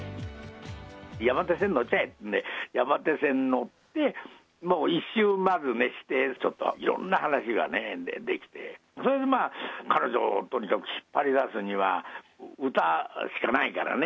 山手線乗っちゃえっていうので、山手線乗って、もう１周まずして、ちょっと、いろんな話ができて、それでまあ、彼女をとにかく引っ張り出すには、歌しかないからね。